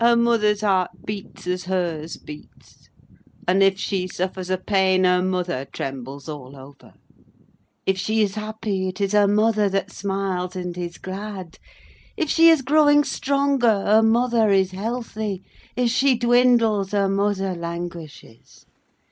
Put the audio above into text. Her mother's heart beats as hers beats; and, if she suffers a pain, her mother trembles all over. If she is happy, it is her mother that smiles and is glad. If she is growing stronger, her mother is healthy: if she dwindles, her mother languishes.